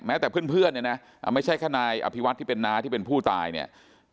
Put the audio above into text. แต่เพื่อนเนี่ยนะไม่ใช่แค่นายอภิวัตที่เป็นน้าที่เป็นผู้ตายเนี่ย